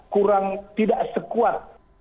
kurang tidak sekuat